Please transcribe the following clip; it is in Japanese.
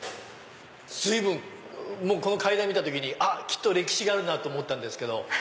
随分もうこの階段見た時にきっと歴史があるなと思ったんですけど。